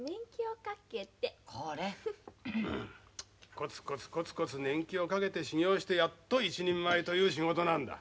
コツコツコツコツ年季をかけて修業してやっと一人前という仕事なんだ。